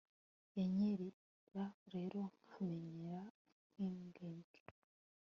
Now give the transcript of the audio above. yanyerera rero nk'amayeri nk'imbwebwe